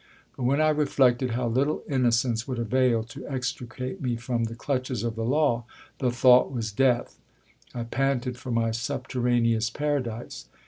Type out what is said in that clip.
But when I reflected how little innocence would avail to extricate me from the clutches of the law, the thought was death ; I panted for my subterraneous paradise.